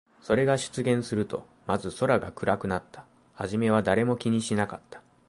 それが出現すると、まず空が暗くなった。はじめは誰も気にしなかった。